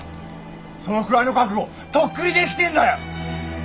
そのくらいの覚悟とっくにできてんだよ！